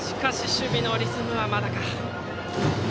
守備のリズムはまだか。